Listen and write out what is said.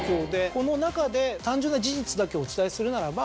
この中で単純な事実だけお伝えするならば。